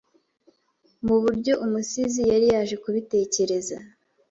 mu buryo umusizi yari yaje kubitekereza